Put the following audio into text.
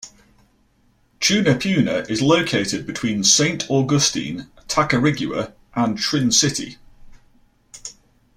Tunapuna is located between Saint Augustine, Tacarigua and Trincity.